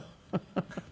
フフフフ。